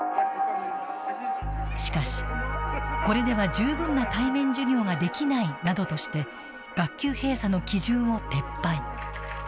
しかしこれでは十分な対面授業ができないなどとして学級閉鎖の基準を撤廃。